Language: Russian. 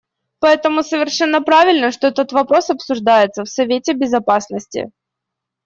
Поэтому совершенно правильно, что этот вопрос обсуждается в Совете Безопасности.